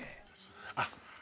あっ！